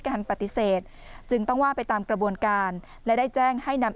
การปฏิเสธจึงต้องว่าไปตามกระบวนการและได้แจ้งให้นำ